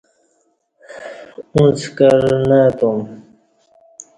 اُݩڅ کار نہ اتوم